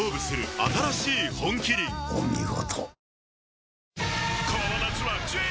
お見事。